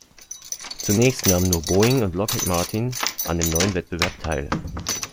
Zunächst nahmen nur Boeing und Lockheed Martin an dem neuen Wettbewerb teil.